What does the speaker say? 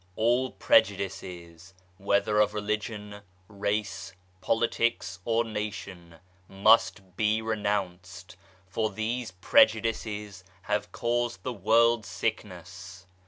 A LL Prejudices, whether of Religion, Race, Politics or Nation, must be renounced, for these prejudices have caused the world's sickness.